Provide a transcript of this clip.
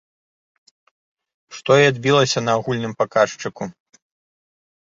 Што і адбілася на агульным паказчыку.